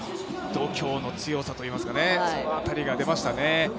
度胸の強さといいますかその辺りが出ましたね。